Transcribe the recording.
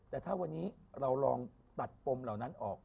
แต่ถ้าวันนี้เราลองตัดปมเหล่านั้นออก